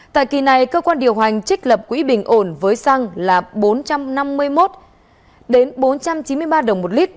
tại kỳ này cơ quan điều hành trích lập quỹ bình ổn với xăng là bốn trăm năm mươi một bốn trăm chín mươi ba đồng một lít